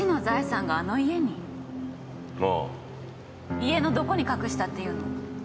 家のどこに隠したっていうの？